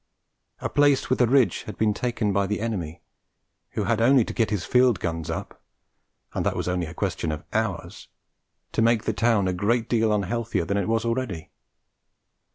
A place with a ridge had been taken by the enemy, who had only to get his field guns up and that was only a question of hours to make the town a great deal unhealthier than it was already.